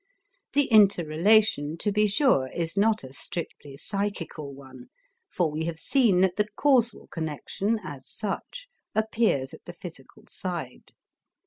The interrelation, to be sure, is not a strictly psychical one, for we have seen that the causal connection as such appears at the physical side.